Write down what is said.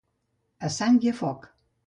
A sang i a foc.